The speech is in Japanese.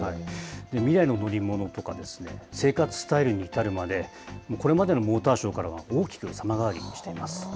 未来の乗り物とかですね、生活スタイルに至るまで、もう、これまでのモーターショーからは大きく様変わりしています。